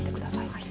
はい。